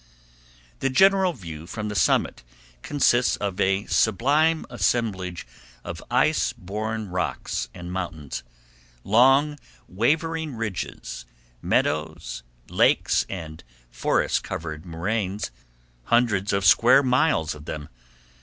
The general view from the summit consists of a sublime assemblage of ice born rocks and mountains, long wavering ridges, meadows, lakes, and forest covered moraines, hundreds of square miles of them.